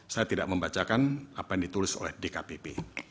saya tidak membacakan apa yang ditulis oleh dkpp